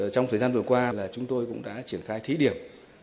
trong thời gian vừa qua là chúng tôi cũng đã triển khai thí điểm